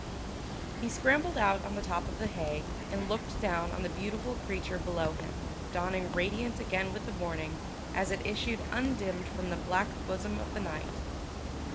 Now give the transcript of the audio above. He scrambled out on the top of the hay, and looked down on the beautiful creature below him, dawning radiant again with the morning, as it issued undimmed from the black bosom of the night.